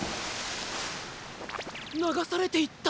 ながされていった。